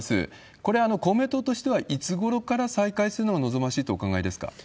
これ、公明党としてはいつごろから再開するのが望ましいとお考えですか。